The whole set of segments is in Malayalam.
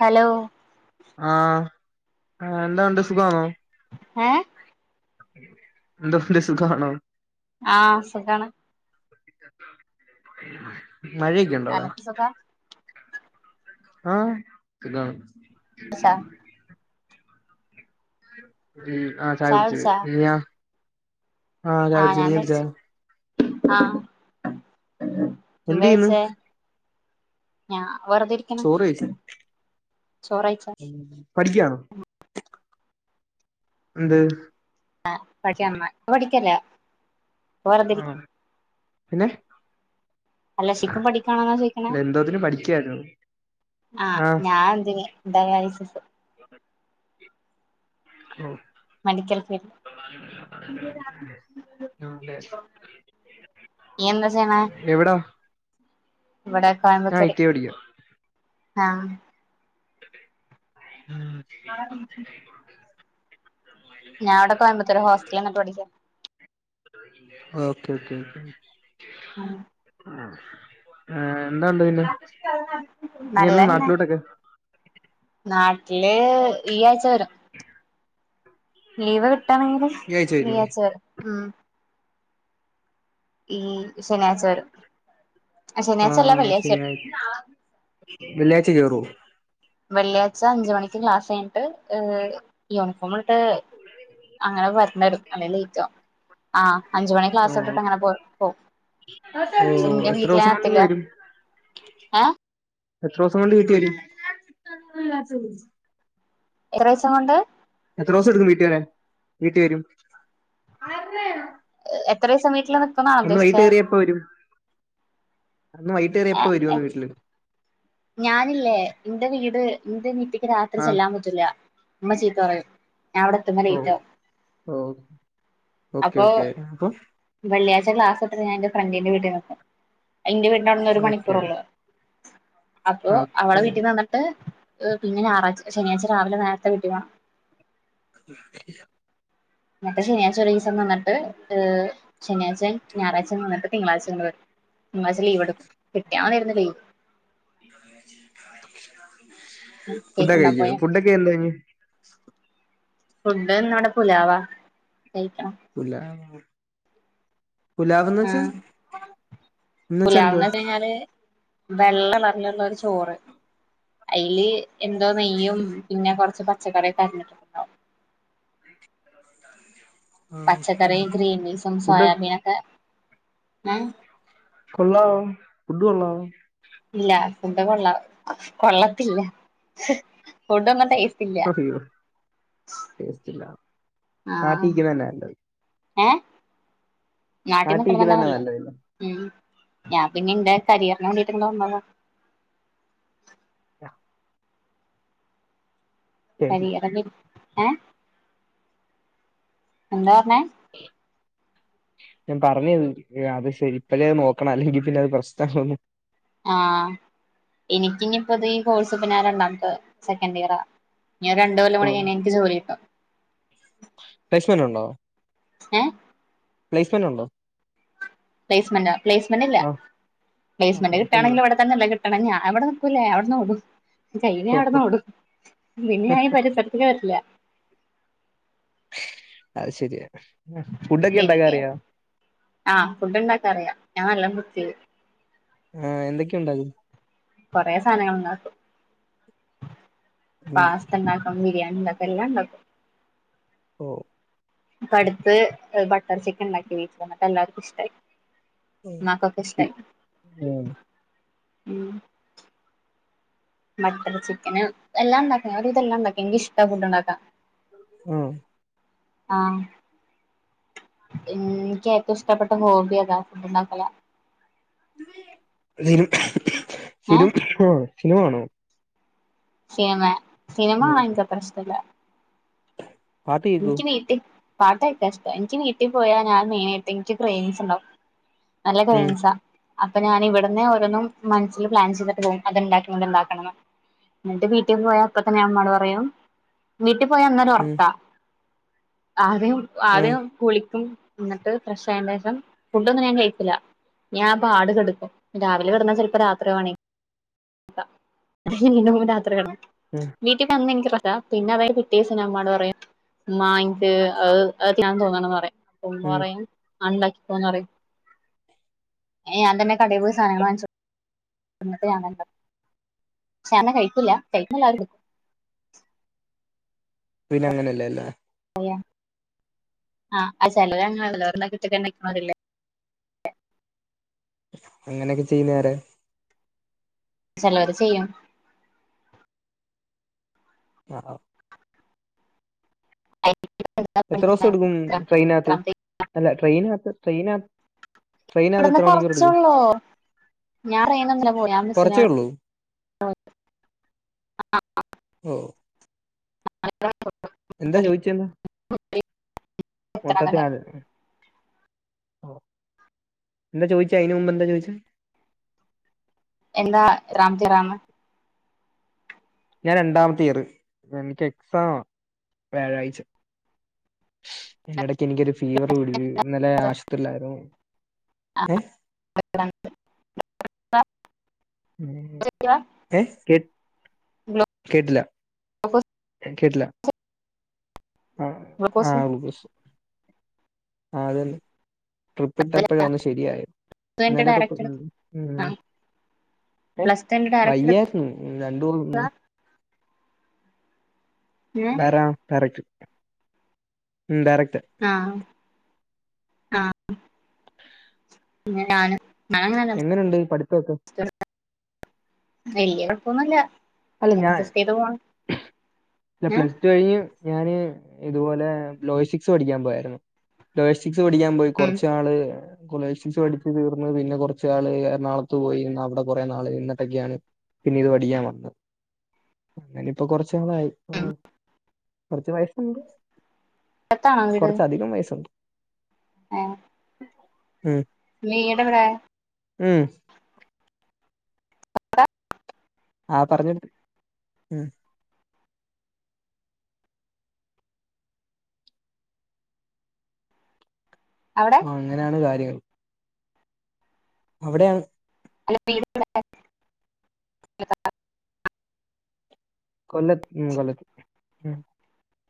ഹലോ ആഹ ആ എന്താ ഉണ്ട് സുഖാന്നോ എഹ് എന്ത പിന്നെ സുഖാണോ ആഹ സുഖാണ് മഴയൊക്കെ ഉണ്ടോ അവിടെ അനക്ക് സുഖാ ആഹ സുഖാണ് ടിച്ചാ ആഹ് ചായ കുടിച്ച് നിയാ ആഹ ഞാൻ ചായുടിച്ച് ആഹ എന്ത് ന്താ ചെയ്യുന്നു കഴിച്ചേ ഞാന് വെറുതെ ഇരി ചോറ് കഴിച്ച് കഴിച്ചോ പഠിക്കാണോ എന്ത് ആഹ [unintelligible] ഇപ്പൊ പഠിക്കല്ല ആഹ വെറുതെരിക്ക പിന്നെ അല്ല പഷെ ഇപ്പൊ പഠിക്കണോന്നാ ചോദിക്കണേ എന്തോത്തിന് പഠിക്കായിരുന്നു ആഹ ആഹ് ഞാന് എന്തിന് ഡയാലിസിസ് ഓഹ് മെഡിക്കൽ ഫീൽഡ് [inaudible] നീ എന്താ ചെയ്യണെ എവിടാ ഇവിടെ ഞാൻ ഐ കോയമ്പത്തൂർ ടി ഐ പഠിക്കാ ആഹ് ഉം [unintelligible] ഞാന് ഇവിടെ കോയമ്പത്തൂർ ഹോസ്റ്റൽ നിന്നിട്ട് പഠിക്കാ ഓക്കെ ഓകെ ഒക്കെ ഉം ഏഹ് എന്താ ഉണ്ട് പിന്നെ ഇനി എന്നാ നല്ലതന്നെ നാട്ടിലോട്ടൊക്കെ നാട്ടില് ഈ ആഴ്ച വരും ലീവ് കിട്ടാണെങ്കിൽ ആഴ്ച ഈ വരുവോ ആഴ്ച്ച വരും ഉം ഈ ശനിയാഴ്ച വരും ആ ശനിയാഴ്ചല്ല ആഹ് വെള്ളിയാഴ്ച ശനിയാഴ്ച വരും വെള്ളിയാഴ്ച കേറോ വെള്ളിയാഴ്ച അഞ്ച് മണിക്ക് ക്ലാസ് കഴിഞ്ഞിട്ട് യൂണിഫോമിലട്ട് അങ്ങനെ വരണരും അല്ലെ ലേറ്റാവും ആഹ് അഞ്ച് മണി ക്ലാസ് ഓഹ് വിട്ടിട്ട് അങ്ങനെ പോവും പോവും പഷെ ഓഹ് ഇന്റെ എത്ര വീട്ടില് ഞാൻ ദിവസം കൊണ്ട് എത്തില്ല ഇങ്ങ് വരും ഏഹ് എത്ര ദിവസം കൊണ്ട് വീട്ടി വരും എത്രസം കൊണ്ട് എത്ര ദിവസം എടുക്കും വീട്ടിൽ വരാൻ വീട്ടി വരും [unintelligible] എത്ര ദിവസം വീട്ടിൽ അന്ന് വൈകീട്ട് കേറിയ എപ്പൊ വരും അന്ന് വൈകീട്ട് കേറിയ എപ്പോ വരും എന്ന് വീട്ടില് ഞാനില്ലേ ഇന്റെ വീട് ഇന്റെ വീട്ടിക്ക് രാത്രി ആഹ് ചെല്ലാൻ പറ്റൂല്ല ഉമ്മ ചീത്ത പറയും ലേറ്റ് ഓഹ് ആവും ഓഹ് ഓക്കെ അപ്പൊ ഓക്കെ അപ്പം വെള്ളിയാഴ്ച ക്ലാസ് വിട്ടിട്ട് ഞാൻ എന്റെ ഫ്രണ്ടിന്റെ വീട്ടില് നിക്കും അഹ്ന്റെ വീട്ടിന്റെ അവിടുന്ന് ഒരു ഓക്കെ മണിക്കൂറേ ഒള്ളൂ അപ്പൊ അവളെ ഓക്കെ വീട്ടിന്ന് വന്നിട്ട് പിന്നെ ഞാറാഴ്ച ശനിയാഴ്ച രാവിലെ നേരത്തെ വീട്ടി പോണം എന്നിട്ട് ശനിയാഴ്ച ഒരു ദിവസം നിന്നിട്ട് ശനിയാഴ്ച്ചിം ഞാറാഴ്ച്ചിം നിന്നിട്ട് തിങ്കളാഴ്ച വെരും ഈ മാസം ലീവ് എടുക്കും കിട്ടിയാ മതിയായിരുന്നു ലീവ് ഫുഡൊക്കെ കേക്ക്ണ്ടാ കഴിക്കോ പോയ ഫുഡൊക്കെ എന്തേന് ഫുഡ് ഇന്നട് പുലാവാ കഴിക്കണം. പുല്ലാ പുലാവ്ന്ന് വെച്ചാ ആഹ് എന്ന് വച്ചാ എന്തുവാ? [unintelligible] വെള്ള കളർലുള്ള ഒരു ചോറ് അയ്ല് എന്തോ നെയ്യും പിന്നെ കൊർച്ച് പ ച്ചക്കറിയൊക്കെ അര്ഞ്ട്ട് ഓക്കെ പച്ചക്കറിം, ഗ്രീൻബീൻസും, ഫുഡ് സോയാബീനൊക്കെ ഏഹ് കൊള്ളാവോ ഫുഡ് കൊള്ളാവോ? ഇല്ല ഫുഡ് കൊള്ള കൊള്ളത്തില്ല ഫുഡൊന്നും ടേസ് അതെയോ ടെസ്റ്റ്‌ല്ല ആഹ് ഏഹ് നാട്ടിൽ നിക്ണതന്നെ നാട്ടിരിക്കുന്നന്നെ നല്ലഹ് നല്ലതല്ലേ മ്മ് ഞാൻ പിന്നെ ഇന്റെ കരിയറിന് വേണ്ടിട്ട് ഇങ്ങട് വന്നതാ ശരി, കരിയറ വിൽ ഏഹ് എന്താ പർഞ്ഞേ ഞാൻ പറഞ്ഞ [unintelligible] അത് ശെരി ഇപ്പയെ നോക്കണം അല്ലെങ്കി പിന്നെ അത് പ്രശ്നാവുന്ന് ആഹ് എനിക്കിഞ്പ്പ ഇത് ഈ കോഴ്സ് പിന്നെ രണ്ടാമത്തെ സെക്കൻ് ഇയറാ ഞാ രണ്ടു കൊല്ലം കൂടിക്കഴിഞ്ഞാ എനിക്ക് ജോലി കിട്ടും പ്ലേസ്മല് ഉണ്ടോ ഏഹ് പ്ലെസ്മെന്റ് ഉണ്ടോ പ്ലെസ്മെന്റോ പ്ലെസ്മെന്റ് ഇല്ല ആഹ് ആഹ് പ്ലെസ്മെന്റ് പ്ലേസ്മെന്റ് കിട്ടാണെങ്കി ഇവിടെ തന്നെല്ലെ കിട്ടണം ഞാൻ ഇവിടെ നിക്കൂല്ല ഞാൻ ഇവിട്ന്ന് ഓടും കഴിഞാ ഓഹോ ഇവട്ന്ന് ഓടും പിന്നെ ഞാൻ ഈ പരിസരത്തേക്ക് വരില്ല അത് ശെരിയ എനിക്ക് ആഹ് ഫുഡ് ഇണ്ടാക്കാൻ അറിയാ ഞാൻ നല്ല കുത്തി ആഹ് എന്തൊക്കെ ഇണ്ടാകും കൊറെ സാനങ്ങൾ ഇണ്ടാക്കും ഉം, പാസ്ത ഉം ബരിയെണി ഇണ്ടാക്കും എല്ലാം ഇണ്ടാക്കും ഓ ഇപ്പ അടുത്ത് ബട്ടർ ചിക്കൻ ഇണ്ടാക്കി ഒരുസം എന്നട്ട് എല്ലാർക്കും ഇഷ്ടായി ആഹ് നക്കൊക്ക ഇഷ്ടായി മ് ബട്ടർ ചിക്കന് എല്ലാം ഇണ്ടാക്കി ഒരു വിധം എല്ലാം ഇണ്ടാക്കി എനിക്ക് ഇഷ്ട ഫുഡ് ഇണ്ടാക്കാൻ ഉം ആഹ് ഇൻക്ക് ഏറ്റവും ഇഷ്ടപ്പെട്ട ഹോബി എതാ ഫുഡ്ണ്ടാകലാ [unintelligible] ഏഹ് സിനിമ കാണോ? സിനിമെ സിനിമ ഉം കാണാം എനിക്ക്‌ അത്ര ഇഷ്ടല്ല പാട്ട് കേക്കോ എനിക്ക് വീട്ടിൽ പാട്ട് കേക്കാ ഇഷ്ടാ എനിക്ക് വീട്ട് പോയാ ഞാന് [unintelligible] ക്രെയിംസ് ഇണ്ടാവും നല്ല ഉം ക്രെയിൻസാ അപ്പ ഞാനിവിടന്ന് ഓരോന്നും മനസ്സില് പ്ലാൻ ചെയ്തിട്ട് പോകും അത്ണ്ടാക്കണം ഇത്ണ്ടാക്കണം എന്നിട്ട് വീട്ട് പോയാ അപ്പ തന്നെ ഞാൻ ഉമ്മാട് പറയും വീട്ടിൽ പോയാ അന്ന് ഒരു ഉം ഒർക്കാ ആദ്യം ഉം ആദ്യം കുളിക്കും ഇന്നട്ട് ഫ്രഷ് ആയ്റ്റെഷം ഫുഡ് ഒന്നും ഞാൻ കഴിക്കൂല ഞാൻ പാട് കിടക്കും രാവിലെ കെടന്നാ ചെലപ്പോ രാത്രിയാവും എ [unintelligible] ഉം വീട്ടിൽ വന്നെങ്ക, പിന്നെ അതായ പിറ്റേസിന അമ്മാട് പറയാം. മാമമ അത് അതൊക്കെയൻ തോന്നണന്ന് പറയാ, അപ്പ ഉം പറയായും ഉണ്ടാക്കിപ്പോന്ന് പറയും. ഞാൻ തന്നെ കട പോയി- സാധനങൾ ഞൻ- സാനം കഴിക്കില്ല കഴിക്കുന്നല്ലായൊരുത്. പിന്നെ അങ്ങനെയല്ലേലേ? അ ആഹ ചില [unintelligible] എണ്ണല്ലേ [inaudible] അങ്ങനെയൊക്കെ ചെയ്യുന്നെയാരാ? ചിലവർ ചെയ്യും. ആ.. [inaudible] എത്ര ദിവസം എടുക്കും ട്രെയിനകത്ത്? അല്ല ട്രെയിനകത്ത്, ട്രെയിനകത്ത്. ഇവിടുന്ന് എത്ര മണിക്കൂർ കുറച്ചേ എടുക്കും ഉള്ളൂ, ഞാൻ ട്രെയിൻ ഇല്ല പൊന്നെ ബസ്സിന്. കുറച്ചേ ഉള്ളൂ [inaudible] ഓ. [inaudible] [inaudible] എന്താ ചോദിച്ചത്, എന്താ എത്ര മട്ടത്തെ അങ്ങനെ ആ... എന്താ ചോദിച്ചേ? അതിനുമുമ്പ് എന്താ ചോദിച്ചത്? എന്താ റാം തറാണ്. ഞാൻ രണ്ടാമത്തെ യറ് എനിക്ക് എക്സാ വ്യാഴാഴ്ച. എടക്ക് എനിക്കൊരു ഫീവർ, വിട ഇന്നലെ ആശുപത്രിയിലായിരുന്നു. ഏ.. [inaudible] ഇയറാണ് ഏ.. കേ, കേട്ടില? ഗ്ലൂക്കോസ് ഞാൻ കേട്ടില്ല ആഹ് ഗ്ലൂക്കോസ് ആഹ്.. ആഹ് അതന്നെ.. ട്രിപ്പ് ഇട്ടപ്പോഴാ ഒന്ന് ശരിയായത്, ന്റെ ഇന്നലെ തൊട്ട് ഡയറക്ട് എടു ഉം ആ ഉം... ഏഹ് പ്ലസ് ടുന്റെ ഡയറക്ട് എടു വയ്യായിരുന്നു രണ്ടൂന്ന് ഉം.. ഏഹ് വരാം. [unintelligible] ഉം ഡയറക്റ്റ്. ആഹ് ആഹ് പിന്നെ ഞാൻ, എങ്ങനെയുണ്ട് പഠിത്തമൊക്കെ [unintelligible] വല്യ കൊഴപ്പൊന്നുല്ല അല്ല ഇങ്ങന അഡ്ജസ്റ്റ് ചെയ്തു പോണു. ഇല്ല പ്ലസ് ടു കഴിഞ്ഞ് ഞാന്, ഇതുപോലെ ലോജിസ്റ്റിക്സ്- പഠിക്കാൻ പോയായിരുന്നു. ലോജിസ്റ്റിക്സ് പഠിക്കാൻ പോയി കുറച്ച് നാൾ- കൊലേശസ് പഠിച്ച് തീർന്ന്, പിന്നെ കുറച്ച് നാള് എറണാകുളത്ത് പോയി അവിടെ കുറേ നാള്- നിന്നിട്ടൊക്കെയാണ്- എന്നിട്ടൊക്കെയാണ്- പിന്നെ ഇത് പഠിക്കാൻ വന്നത്, അങ്ങനെ ഇപ്പോ കൊറച്ചു നാളായി. ഉം കുറച്ച് വയസുണ്ട് അടുത്താണോ വീട് കൊറച്ചധികം, വയസുണ്ട്. ഉം... വീടെവിടെ? ഉം... ആഹ് പറഞ്ഞിട് ഉം... [inaudible] അവിടെ- പ്പൊ അങ്ങനെയാണ് കാര്യങ്ങൾ. അവിടെയണ്. അല്ല വീട്- കൊല്ലത്ത് ഉം കൊല്ലത്ത്.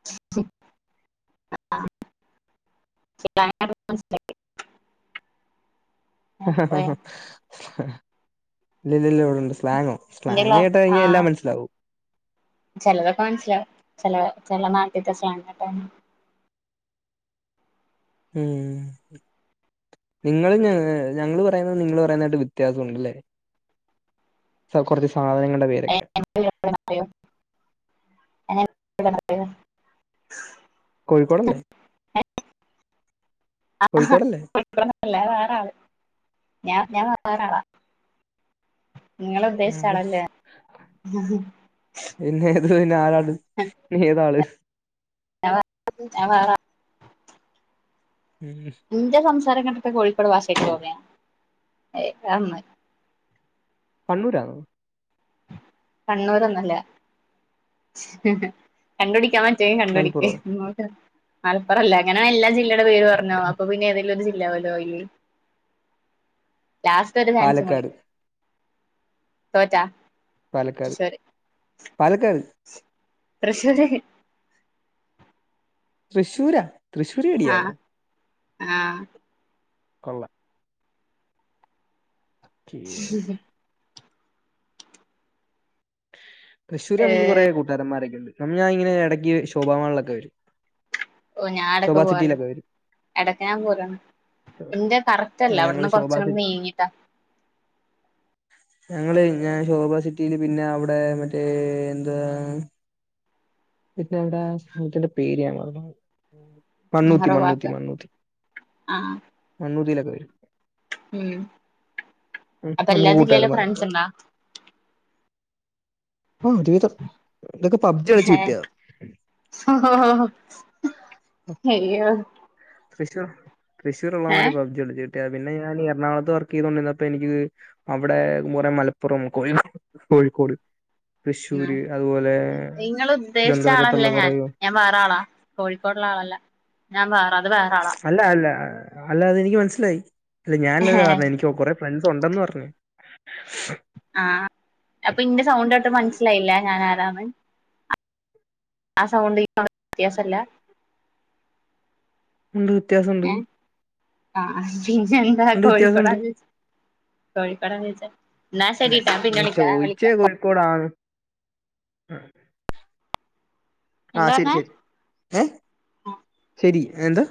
[inaudible] [unintelligible] പോയാ ഇല്ലില്ല ഇവിടെണ്ട് സ്ലാങ്ങോ? സ്ലാങ് എന്റെല്ല കേട്ട് കഴിഞ്ഞാ എല്ല ആഹ് മനസ്സിലാവും. ചിലതൊക്കെ മനസ്സിലാവും ചില ചില നാട്ടിത്തെ സ്ലാങ്ങോക്കെ. ഉം. നിങ്ങൾ ഞ ഞങ്ങൾ പറയുന്നതും നിങ്ങൾ പറയുന്നതായിട്ട് വ്യത്യാസം ഉണ്ടല്ലേ? അത് കുറച്ച് സാധനങ്ങളുടെ പേരൊക്കെ. [unintelligible] [unintelligible] കോഴിക്കോട് അല്ലേ. ആഹ് കോഴിക്കോട് അല്ല അത് വേറെ ആള് ഞാൻ ഞാൻ വേറാളാ. നിങ്ങള് ആ ഉദ്ദേശിച്ചാ അതെ. ആളല്ല. പിന്നെ ഇത് പിന്നെ ആരാണ് ഏതാള്? ഞാൻ വേറെ ഞാൻ വേറാളാ. ഉം. എന്റെ സംസാരം കേട്ടിട്ട് കോഴിക്കോട് ഭാഷയായിട്ട് തോന്നിയ ഏയ് അത് നന്നായി. കണ്ണൂര് ആന്നോ? കണ്ണൂരോന്നു അല്ല. കണ്ടുപിടിക്കാൻ പറ്റോങ്കി കണ്ടു പിടിക്ക്‌ മലപ്പുറോ മലപ്പുറം അല്ല അങ്ങനെ എല്ലാ ജില്ലക കളെ പേര് പറഞ്ഞോ അപ്പ പിന്നെ ഏതെലും ഒരു ജില്ല ആവുല്ലോ ആയില് ലാസ് റ്റ് ഒരു ചാൻസ് കൂടി പാലക്കാട് തോറ്റാ. പാലക്കാട്‌ തൃശ്ശൂര് പാലക്കാട്. തൃശ്ശൂര്. തൃശ്ശൂരോ ആഹ് തൃശ്ശൂര്ക്കാരിയാണോ? ആഹ്. കൊള്ളാം. ചിയേഴ്സ്. തൃശൂര് ഏഹ് നമുക്ക് കുറെ കൂട്ടുകാരന്മാരൊക്കെ ഉണ്ട് അന്ന് ഞാനിങ്ങനെ ഇടക്ക് ശോഭാമാളിലൊക്കെ വരും. ഓഹ് ഞാൻ ഇടയ്ക്ക് ശോഭാ പോവാലോണ്ട്. സിറ്റിയിലൊക്കെ വരും എടയ്ക്ക് ഞാൻ പോവലുണ്ട് എന്റെ കറക്റ്റ് ആ അല്ല ഞങ്ങള് അവിടന്ന് ശോഭാ കൊറച്ച് അങ്ങ് സിറ്റി നീങ്ങിട്ടാ. ഞങ്ങള് ഞാൻ ശോഭ സിറ്റിയില് പിന്നെ അവിടെ മറ്റേ എന്താ പിന്നെ അവിടെ ആഹ് സ്ഥലത്തിന്റെ പേര് ഞാൻ മറന്നു പോയി. മണ്ണൂത്തി നെഹ്റു മണ്ണൂത്തി പാർക്ക് മണ്ണൂത്തി ആഹ് മണ്ണൂത്തിലോക്കെ വരും. ഉം ഉം അപ്പൊ എല്ലാ നമ്മുക്ക് ജില്ലയിലും കൂട്ടുകാരൻമാരുണ്ട് ഫ്രണ്ട്സ് അവിടെ. ഉണ്ടാ ഒരു വിധം ഇതൊക്കെ പബ്ജി കളിച്ച് കിട്ടിയതാ. ഹോ ഹോ ഹോ അയ്യോ. തൃശൂർ തൃശൂർ ഉള്ളമാര് ഏഹ് പബ്ജി കളിച്ച് പിന്നെ ഞാൻ എറണാകുളത്ത് വർക്ക് ചെയ്തുകൊണ്ടിരുന്നപ്പോ എനിക്ക് അവിടെ കുറെ മലപ്പുറം, കോ കോഴിക്കോട്, ആഹ് തൃശ്ശൂര്, നിങ്ങൾ ഉദ്ദേശിച്ച ആളല്ല അതുപോലെതിരുവന്തപുരത്തുള്ള കുറേ ഞാൻ ഞാൻ വേറെ ആളാ കോഴിക്കോടുള്ള ആള് അല്ല ഞാൻ വേറെ അത് വേറെ ആളാ. അല്ല അല്ല അല്ല അതെനിക്ക് മനസ്സിലായി അല്ല ഞാന് അതാ പറഞ്ഞേ എനിക്ക് കുറെ ഫ്രണ്ട്സ് ഉണ്ടെന്ന് പറഞ്ഞതാ. ആഹ് അപ്പൊ ഇന്റെ സൗണ്ട് കേട്ടപ്പം മനസ്സിലായില്ല ഞാൻ ആരാന്ന്? ആ സൗണ്ടും ഈ സൗണ്ടും വ്യത്യാസമില്ല? ഉണ്ട് വ്യത്യാസമുണ്ട്. ആഹ് പിന്നെ എന്താ ഉണ്ട് വ്യത്യാസമുണ്ട് കോഴിക്കോടാന്ന് ചോദിച്ചേ, കോഴിക്കോടാന്ന്ചോദിച്ചേ? എന്നാ ശരിട്ടോ ഞാൻ പിന്നെ വിളിക്കാം വിളിക്കാം. ക്കോടാണ്. എന്താ ആഹ് ശരി പറഞ്ഞേ ശരി ഏഹ് ശരി എന്ത്?